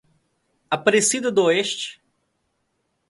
Aparecida d'Oeste